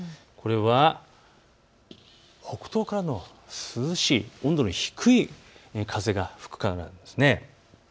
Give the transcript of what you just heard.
これは北東からの涼しい温度の低い風が吹くからなんです。